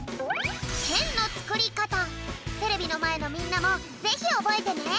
テレビのまえのみんなもぜひおぼえてね。